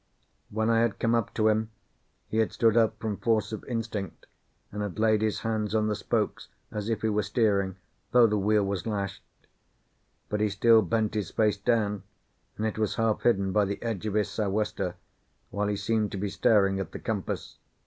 When I had come up to him he had stood up from force of instinct, and had laid his hands on the spokes as if he were steering, though the wheel was lashed; but he still bent his face down, and it was half hidden by the edge of his sou'wester, while he seemed to be staring at the compass.